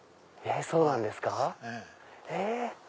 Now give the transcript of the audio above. そうなんですか。